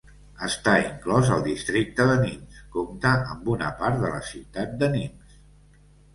Està inclòs al districte de Nimes, compta amb una part de la ciutat de Nimes.